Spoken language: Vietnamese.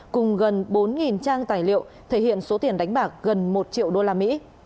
cùng gần bốn trang tài liệu thể hiện số tiền đánh bạc gần một triệu đô la mỹ